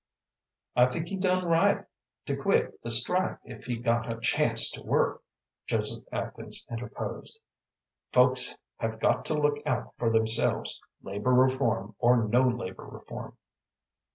"I think he done quite right to quit the strike if he got a chance to work," Joseph Atkins interposed. "Folks have got to look out for themselves, labor reform or no labor reform."